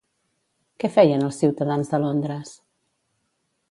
Què feien els ciutadans de Londres?